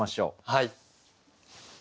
はい。